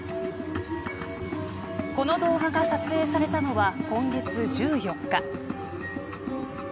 この動画が撮影されたのは今月１４日。